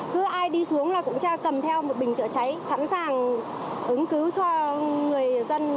cứ ai đi xuống là cũng cầm theo một bình trựa cháy sẵn sàng ứng cứu cho người dân